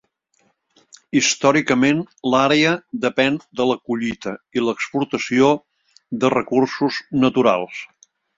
Històricament l'àrea depèn de la collita i l'exportació de recursos naturals.